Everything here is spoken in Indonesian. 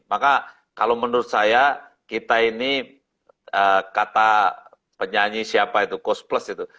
maka kalau menurut saya kita ini kata penyanyi siapa itu cos plus itu